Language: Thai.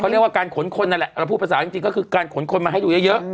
เรียกว่าการขนคนนั่นแหละเราพูดภาษาจริงก็คือการขนคนมาให้ดูเยอะ